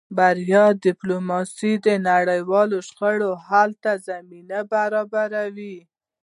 بریالۍ ډیپلوماسي د نړیوالو شخړو حل ته زمینه برابروي.